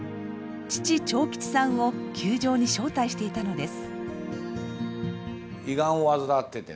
父長吉さんを球場に招待していたのです。